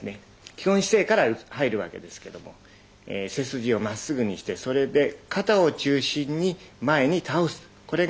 基本姿勢から入るわけですけども背筋をまっすぐにしてそれで肩を中心に前に倒す。